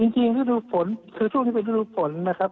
จริงที่ดูฝนคือช่วงที่ดูฝนนะครับ